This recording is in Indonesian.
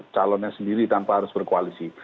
calonnya sendiri tanpa harus berkoalisi